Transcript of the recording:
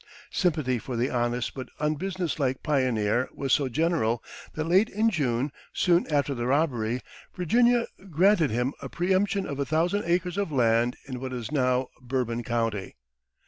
Sympathy for the honest but unbusinesslike pioneer was so general, that late in June, soon after the robbery, Virginia granted him a preemption of a thousand acres of land in what is now Bourbon County.